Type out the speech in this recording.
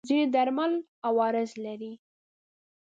ځینې درمل عوارض لري.